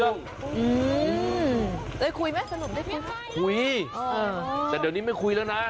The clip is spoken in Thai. อืมได้คุยไหมสนุกได้คุยไหมคุยแต่เดี๋ยวนี้ไม่คุยแล้วนาน